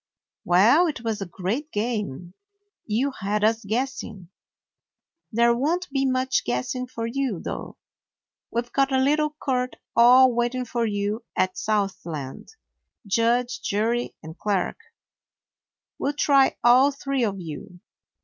Well, it was a great game. You had us guessing. There won't be much guessing for you, though. We 've got a little court all waiting for you at South land; judge, jury, and clerk. We'll try all three of you.